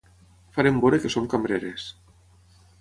Farem veure que som cambreres.